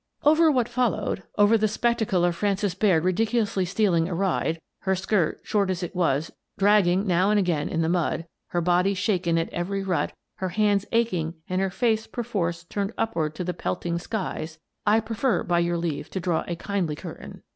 Over what followed — over the spectacle of Frances Baird ridiculously stealing a ride, her skirt, short as it was, dragging now and again in the mud, her body shaken at every rut, her hands aching and her face perforce turned upward to the pelting skies — I prefer, by your leave, to draw a kindly curtain.